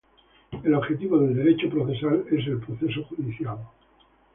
El objeto del derecho procesal es el proceso judicial.